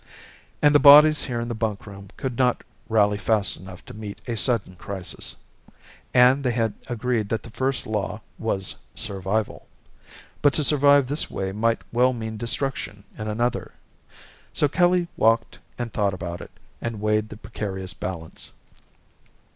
And the bodies here in the bunkroom could not rally fast enough to meet a sudden crisis. And they had agreed that the first law was survival. But to survive this way might well mean destruction in another. So Kelly walked and thought about it, and weighed the precarious balance.